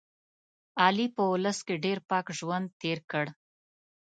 علي په اولس کې ډېر پاک ژوند تېر کړ.